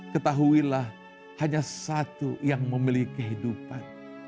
ketahuilah hanya satu yang memiliki kehidupan